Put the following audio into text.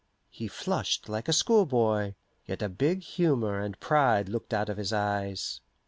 He flushed like a schoolboy, yet a big humour and pride looked out of his eyes.